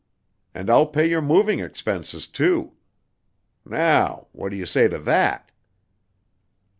And I'll pay your moving expenses, too. Now, what do you say to that?"